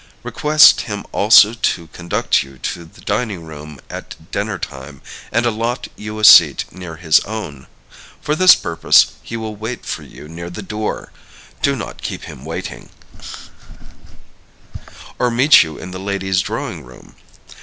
Request him also to conduct you to the dining room at dinner time, and allot you a seat near his own. For this purpose he will wait for you near the door (do not keep him waiting), or meet you in the ladies' drawing room.